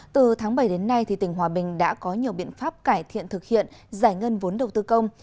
từ tháng bảy đến nay tỉnh hòa bình đã có nhiều biện pháp cải thiện thực hiện giải ngân vốn đầu tư công